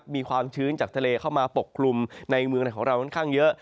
มีความชื้นจากทะเลเข้ามาปกคลุมในเมืองของเราค่อนข้างเยอะ